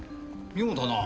妙だな。